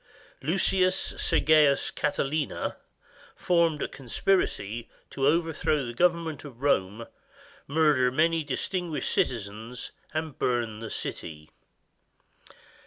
Lucius Sergius Catiline formed a conspiracy to overthrow the government of Rome, murder many distinguished citizens, and burn the city.